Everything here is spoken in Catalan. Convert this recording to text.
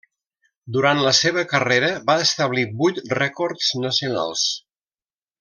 Durant la seva carrera va establir vuit rècords nacionals.